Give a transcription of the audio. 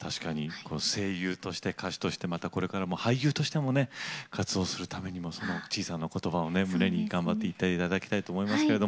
声優として歌手としてまた、これからも俳優として活動するためにも地井さんのことばを胸に頑張っていっていただきたいと思いますけれど。